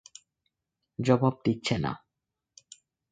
জবাব দিচ্ছে না।